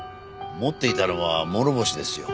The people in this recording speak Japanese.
持っていたのは諸星ですよ。